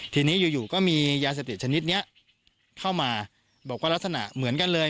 ทีนี้อยู่ก็มียาเสพติดชนิดนี้เข้ามาบอกว่าลักษณะเหมือนกันเลย